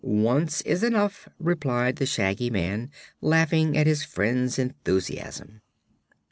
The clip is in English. "Once is enough," replied the Shaggy Man, laughing at his friend's enthusiasm.